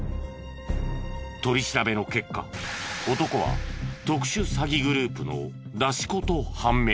取り調べの結果男は特殊詐欺グループの出し子と判明。